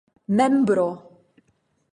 membro